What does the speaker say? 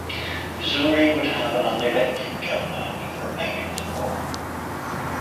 Missouri would have an unelected governor for the remainder of the war.